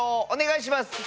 お願いします！